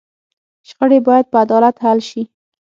شخړې باید په عدالت حل شي.